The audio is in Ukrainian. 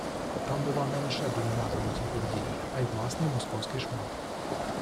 Там була не лише данина Золотій Орді, а й власний московський шмат